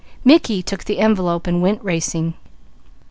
Mickey took the envelope and went racing.